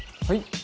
はい。